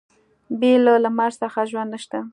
بې له لمر څخه ژوند نشته.